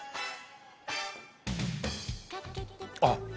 あっ！